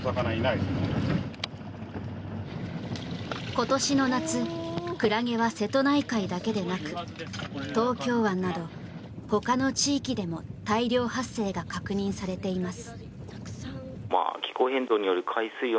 今年の夏クラゲは瀬戸内海だけでなく東京湾などほかの地域でも大量発生が確認されています。